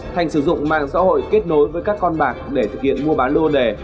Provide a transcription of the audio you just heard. thành sử dụng mạng xã hội kết nối với các con bạc để thực hiện mua bán lô đề